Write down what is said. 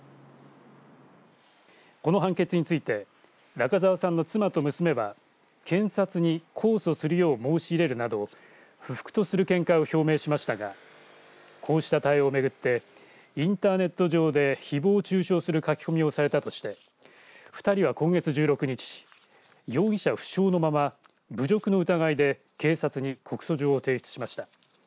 この判決について仲澤さんの妻と娘は検察に控訴するよう申し入れるなど、不服とする見解を表明しましたがこうした対応を巡ってインターネット上でひぼう中傷する書き込みをされたとして２人は今月１６日容疑者不詳のまま、侮辱の疑いで警察に告訴状を提出しました。